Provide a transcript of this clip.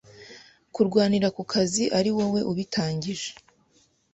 Kurwanira ku kazi ariwowe ubitangije